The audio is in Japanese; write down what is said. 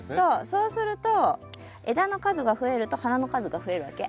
そうすると枝の数が増えると花の数が増えるわけ。